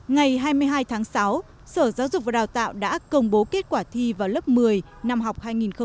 ngày hai mươi hai tháng sáu sở giáo dục và đào tạo đã công bố kết quả thi vào lớp một mươi năm học hai nghìn một mươi tám hai nghìn một mươi chín